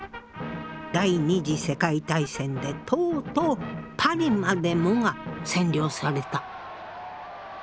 第２次世界大戦でとうとうパリまでもが占領された。